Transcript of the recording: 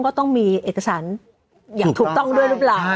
ก็ต้องมีเอกสารอย่างถูกต้องด้วยหรือเปล่า